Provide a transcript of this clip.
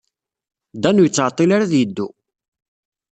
Dan ur yettɛeḍḍil ara ad yeddu.